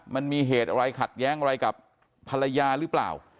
มันมีเหตุอะไรขัดแย้งอะไรกับภรรยาหรือเปล่า